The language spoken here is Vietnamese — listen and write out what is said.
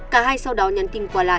cả hai sau đó nhắn tin quà lại